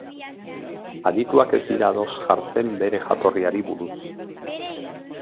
Adituak ez dira ados jartzen bere jatorriari buruz.